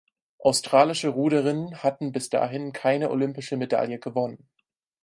Australische Ruderinnen hatten bis dahin keine olympische Medaille gewonnen.